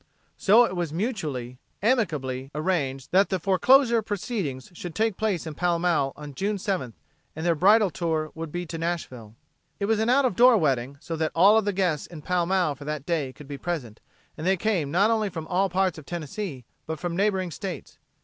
So it was mutually amicably arranged that the foreclosure proceedings should take place in Pall Mall on June 7th, and their bridal tour would be to Nashville. It was an out of door wedding so that all of the guests in Pall Mall for that day could be present, and they came not only from all parts of Tennessee but from neighboring States.